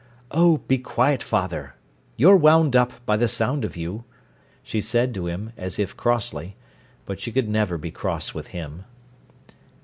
"Oh, be quiet, father. You're wound up, by the sound of you," she said to him, as if crossly. But she could never be cross with him.